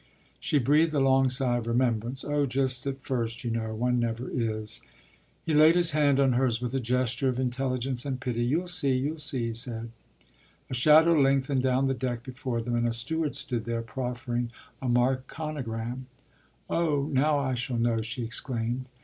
” She breathed a long sigh of remembrance. “Oh, just at first, you know one never is.” He laid his hand on hers with a gesture of intelligence and pity. “You’ll see, you’ll see,” he said. A shadow lengthened down the deck before them, and a steward stood there, proffering a Marconigram. “Oh, now I shall know!” she exclaimed.